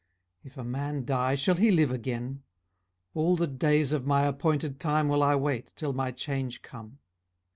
18:014:014 If a man die, shall he live again? all the days of my appointed time will I wait, till my change come.